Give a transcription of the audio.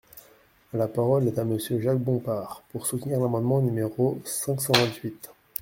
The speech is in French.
La parole est à Monsieur Jacques Bompard, pour soutenir l’amendement numéro cinq cent vingt-huit.